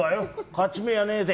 勝ち目はねえぜ。